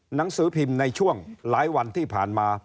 หนังสือพิมพ์ในช่วงหลายวันที่ผ่านมา